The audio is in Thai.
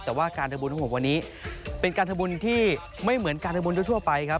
แต่ว่าการทำบุญของผมวันนี้เป็นการทำบุญที่ไม่เหมือนการทำบุญทั่วไปครับ